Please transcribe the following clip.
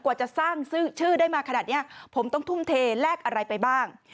กว่าจะสร้างชื่อได้มาขนาดนี้ผมต้องทุ่มเทแลกอะไรไปบ้าง